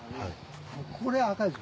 これ赤いです。